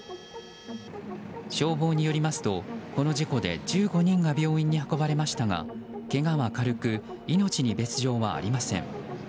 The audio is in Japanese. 消防によりますと、この事故で１５人が病院に運ばれましたがけがは軽く命に別条はありません。